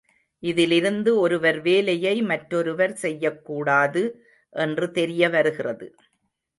இதிலிருந்து ஒருவர் வேலையை மற்றொருவர் செய்யக் கூடாது என்று தெரியவருகிறது.